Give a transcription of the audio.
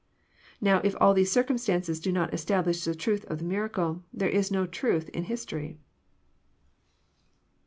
Now, if all these circumstances do not establish the truth of the miracle, there is no truth in his tory."